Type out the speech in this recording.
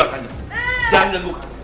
jangan ganggu kami